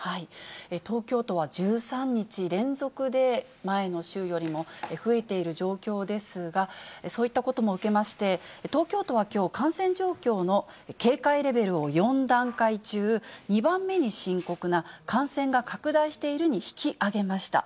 東京都は、１３日連続で前の週よりも増えている状況ですが、そういったことも受けまして、東京都はきょう、感染状況の警戒レベルを４段階中、２番目に深刻な、感染が拡大しているに引き上げました。